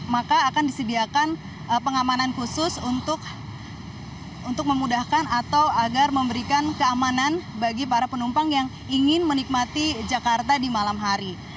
maka akan disediakan pengamanan khusus untuk memudahkan atau agar memberikan keamanan bagi para penumpang yang ingin menikmati jakarta di malam hari